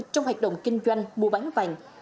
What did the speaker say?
trong hoạt động kinh doanh mua bán vàng